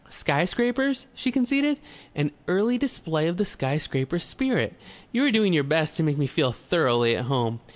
"Sky scrapers?" she conceded. "An early display of the sky scraper spirit.... You are doing your best to make me feel thoroughly at home."